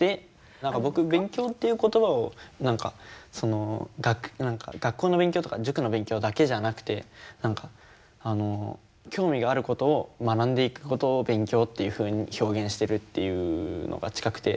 何か僕勉強っていう言葉を学校の勉強とか塾の勉強だけじゃなくて興味があることを学んでいくことを勉強っていうふうに表現してるっていうのが近くて。